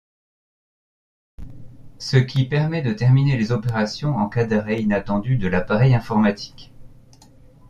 Ce qui permet de terminer les opérations en cas d'arrêt inattendu de l'appareil informatique.